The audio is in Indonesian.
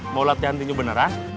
mau latihan tinju beneran